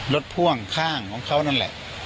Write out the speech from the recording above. พ่วงข้างของเขานั่นแหละ